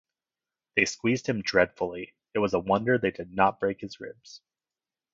They squeezed him dreadfully, it was a wonder they did not break his ribs.